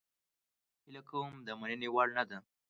هیله کوم د مننې وړ نه ده